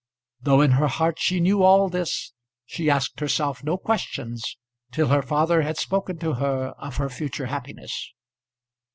Though in her heart she knew all this, she asked herself no questions till her father had spoken to her of her future happiness.